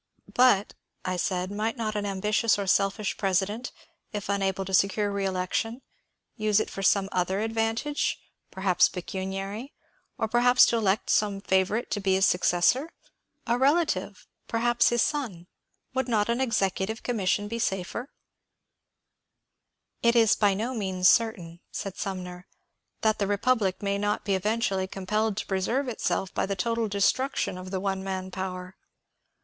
'^ But," I said, ^* might not an ambitious or selfish presi dent, if unable to secure reelection, use it for some other ad NEW FRENCH CONSTITUTION 267 vantage, perhaps pecuniary, or perhaps to elect some favour ite to be his successor, — a relative, perhaps his son I Would not an executive commission be safer ?"*' It is by no means certain," said Sumner, ^' that the re public may not be eventually compelled to preserve itself by the total destruction of the one man power.